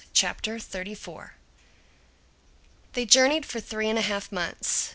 CHAPTER XXXIV THEY journeyed for three and a half months.